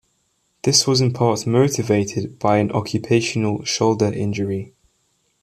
This was in part motivated by an occupational shoulder injury.